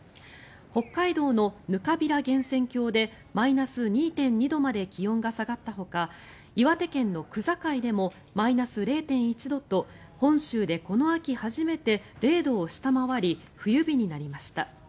北海道のぬかびら源泉郷でマイナス２．２度まで気温が下がったほか岩手県の区界でもマイナス０．１度と本州でこの秋初めて０度を下回り冬日になりました。